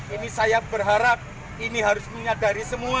ini saya berharap ini harus menyadari semua